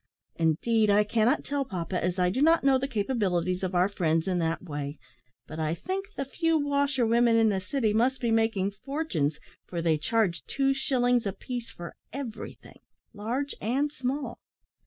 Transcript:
"Indeed, I cannot tell, papa, as I do not know the capabilities of our friends in that way; but I think the few washerwomen in the city must be making fortunes, for they charge two shillings a piece for everything, large and small."